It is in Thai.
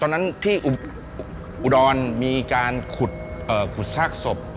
ตอนนั้นที่อุดรมีการขุดซากศพ